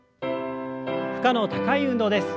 負荷の高い運動です。